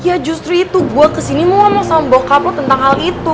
ya justru itu gua kesini ngomong sama bokap lu tentang hal itu